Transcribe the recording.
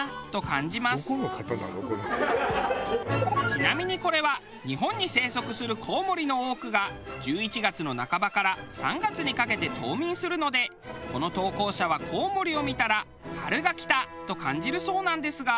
ちなみにこれは日本に生息するコウモリの多くが１１月の半ばから３月にかけて冬眠するのでこの投稿者はコウモリを見たら春が来たと感じるそうなんですが。